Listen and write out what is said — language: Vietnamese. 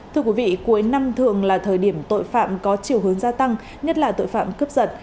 thưa quý vị cuối năm thường là thời điểm tội phạm có chiều hướng gia tăng nhất là tội phạm cướp giật